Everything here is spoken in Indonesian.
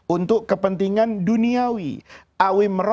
untuk kepentingan duniawi